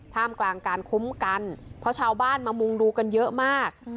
ท่ามกลางการคุ้มกันเพราะชาวบ้านมามุงดูกันเยอะมาก